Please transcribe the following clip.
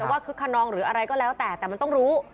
คึกขนองหรืออะไรก็แล้วแต่แต่มันต้องรู้